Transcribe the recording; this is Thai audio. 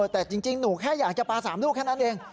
แต่จริงหนูแค่อยากจะปลา๓ลูกแค่นั้นเอง